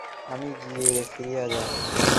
আমি গড়ে ফিরিয়া যাই।